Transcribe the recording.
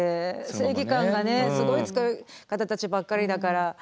正義感がねすごい強い方たちばっかりだから。